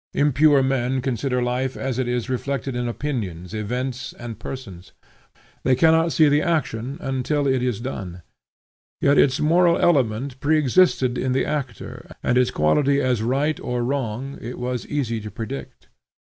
Impure men consider life as it is reflected in opinions, events, and persons. They cannot see the action until it is done. Yet its moral element preexisted in the actor, and its quality as right or wrong it was easy to predict.